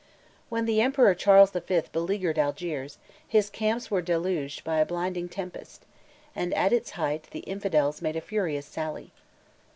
When the Emperor Charles the Fifth beleaguered Algiers, his camps were deluged by a blinding tempest, and at its height the infidels made a furious sally.